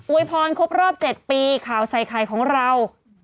วยพรครบรอบ๗ปีข่าวใส่ไข่ของเรา